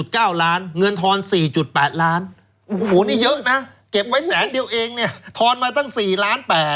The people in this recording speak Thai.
ก็มีมาตั้ง๔ล้าน๘